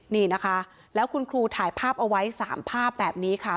นี่นะคะแล้วคุณครูถ่ายภาพเอาไว้๓ภาพแบบนี้ค่ะ